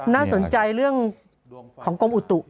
น่าสนใจเรื่องของกรมอุตุ